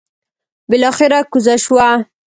بلاخره کوزه شوه.